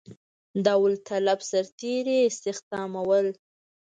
داوطلب سرتېري یې استخدامول.